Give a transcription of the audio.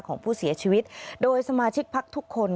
ของผู้เสียชีวิตโดยสมาชิกพักทุกคน